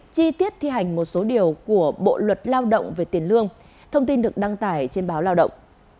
chi tiết thi hành một số điều của bộ luật lao động về tiền lương thông tin được đăng tải trên báo lao động